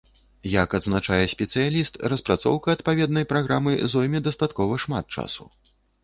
Як адзначае спецыяліст, распрацоўка адпаведнай праграмы зойме дастаткова шмат часу.